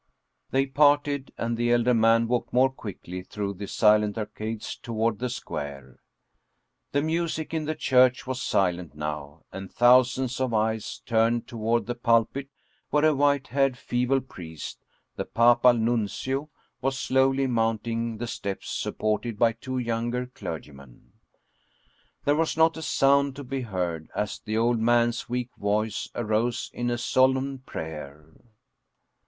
They parted, and the elder man walked more quickly through the silent arcades toward the square. The music in the church was silent now, and thousands of eyes turned toward the pulpit where a white haired feeble priest, the papal nuncio, was slowly mounting the steps supported by two younger clergymen. There was not a sound to be heard as the old man's weak voice arose in a solemn prayer.